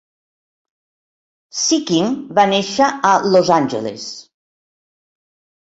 Sikking va néixer a Los Angeles.